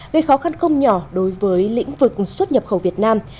gây khó khăn không nhỏ đối với lĩnh vực xuất nhập khẩu việt nam